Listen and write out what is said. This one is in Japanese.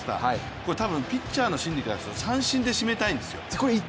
これピッチャーの心理からすると三振で締めたいんですよ。